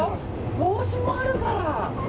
帽子もあるから。